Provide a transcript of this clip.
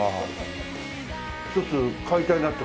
一つ買いたいなって